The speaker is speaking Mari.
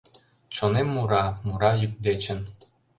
Чонем мура, мура йӱк дечын